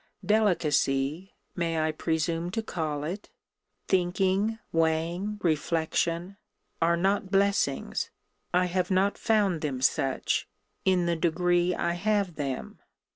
Delicacy, (may I presume to call it?) thinking, weighing, reflection, are not blessings (I he not found them such) in the degree I have them.